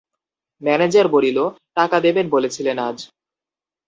Manager বলিল, টাকা দেবেন বলেছিলেন আজ?